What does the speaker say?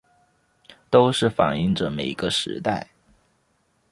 都是反映著每个时代